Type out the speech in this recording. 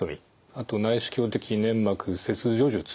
あと内視鏡的粘膜切除術。